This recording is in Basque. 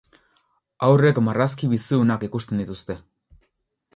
Haurrek marrazki bizidunak ikusten dituzte.